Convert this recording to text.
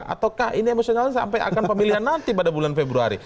ataukah ini emosional sampai akan pemilihan nanti pada bulan februari